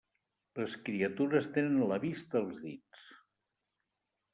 Les criatures tenen la vista als dits.